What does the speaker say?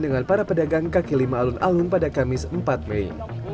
dengan para pedagang kaki lima alun alun pada kamis empat mei